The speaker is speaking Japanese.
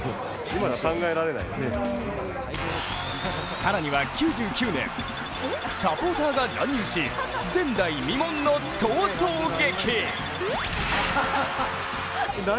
更には９９年、サポーターが乱入し前代未聞の逃走劇。